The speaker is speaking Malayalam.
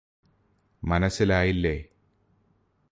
മനസ്സിലായില്ലേ